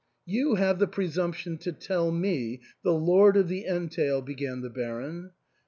" You have the presumption to tell me, the lord of the entail," began the Baron.